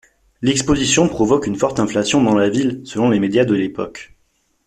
L'Exposition provoque une forte inflation dans la ville, selon les médias de l'époque.